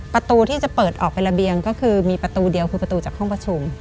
ประตูที่จะเปิดออกเป็นระเบียงก็คือมีประตูเดียวคือประตูจากห้องประชุม